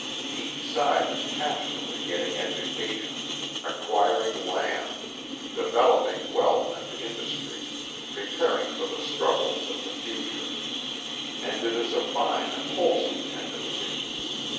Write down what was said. Each side is passionately getting education, acquiring land, developing wealth and industry, preparing for the struggles of the future. And it is a fine and wholesome tendency.